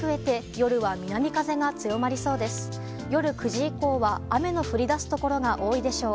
夜９時以降は雨の降りだすところが多いでしょう。